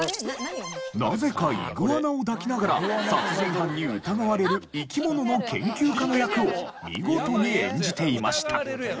なぜかイグアナを抱きながら殺人犯に疑われる生き物の研究家の役を見事に演じていました。